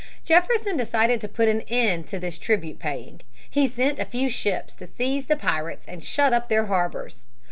Jefferson decided to put an end to this tribute paying. He sent a few ships to seize the pirates and shut up their harbors.